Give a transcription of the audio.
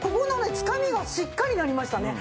つかみがしっかりになりましたね。